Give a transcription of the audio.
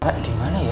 pak dimana ya